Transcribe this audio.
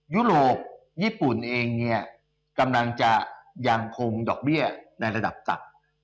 ยุโรปญี่ปุ่นเองเนี่ยกำลังจะยังคงดอกเบี้ยในระดับต่ำ